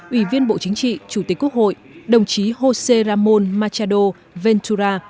ủy viên bộ chính trị chủ tịch quốc hội đồng chí josé ramón machado ventura